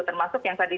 termasuk yang tadi